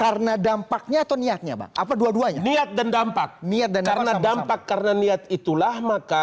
karena dampaknya atau niatnya bang apa dua duanya niat dan dampak niat dan dampak karena niat itulah